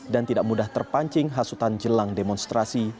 dan tidak mudah terpancing hasutan jelang demonstrasi